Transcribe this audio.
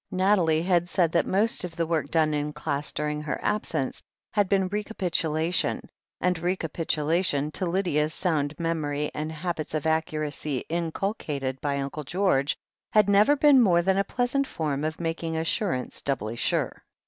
Nathalie had said that most of the work done in class during her absence had been recapitulation, and recapitula tion, to Lydia's sound memory and habits of accuracy inculcated by Uncle George, had never been more than a pleasant form of making assurance doubly sure.